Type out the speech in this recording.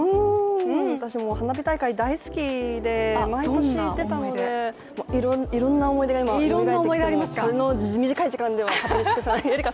私、花火大会大好きで毎年行っていたので、いろんな思い出が今、よみがえってきてこの短い時間では語り尽くせない。